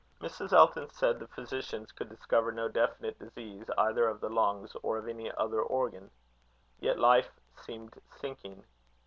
Mrs. Elton said the physicians could discover no definite disease either of the lungs or of any other organ. Yet life seemed sinking.